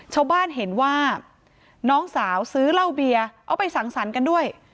ชาวบ้านเห็นว่าน้องสาวซื้อเหล้าเบียร์เอาไปสั่งสรรค์กันด้วย